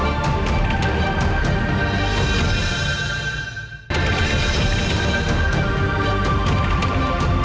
dampak dari belajar dari buku buku